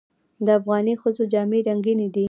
د افغاني ښځو جامې رنګینې دي.